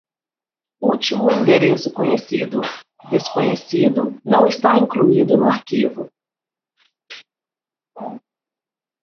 Último endereço conhecido: desconhecido, não está incluído no arquivo.